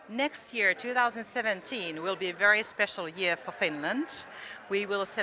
akan menjadi tahun yang sangat istimewa untuk finlandia